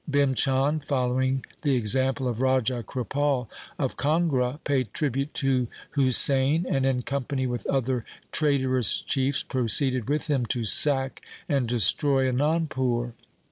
Bhim Chand, following the example of Raja Kripal of Kangra, paid tribute to Husain, and in company with other traitorous chiefs proceeded with him to sack and destroy Anandpur.